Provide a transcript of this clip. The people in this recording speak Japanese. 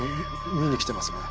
見に来てますね。